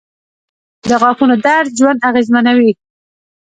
• د غاښونو درد ژوند اغېزمنوي.